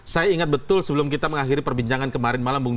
saya ingat betul sebelum kita mengakhiri perbincangan kemarin malam bung